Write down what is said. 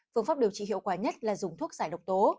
phương pháp điều trị hiệu quả nhất là dùng thuốc giải độc tố